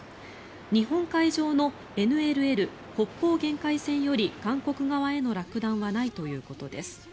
日本海上のＮＬＬ・北方限界線より韓国側への落弾はないということです。